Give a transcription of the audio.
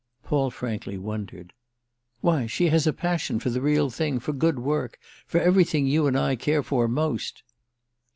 Paul frankly wondered. "Why she has a passion for the real thing, for good work—for everything you and I care for most."